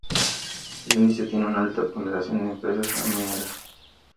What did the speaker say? El índice tiene una alta ponderación de empresas mineras.